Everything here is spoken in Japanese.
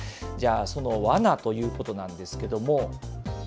じゃあ、そのわなということなんですけれども。